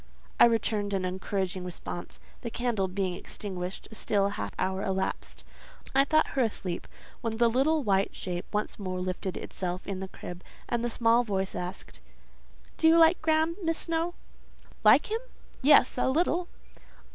I returned an encouraging response. The candle being extinguished, a still half hour elapsed. I thought her asleep, when the little white shape once more lifted itself in the crib, and the small voice asked—"Do you like Graham, Miss Snowe?" "Like him! Yes, a little."